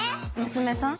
娘さん？